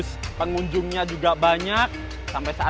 dan penghubung dalam menciptakan ikatan bisnis yang berharga